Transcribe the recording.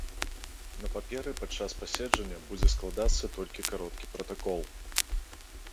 На паперы падчас пасяджэння будзе складацца толькі кароткі пратакол.